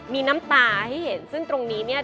มีน้ำตาให้เห็นซึ่งตรงนี้เนี่ย